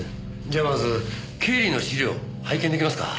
じゃあまず経理の資料拝見できますか？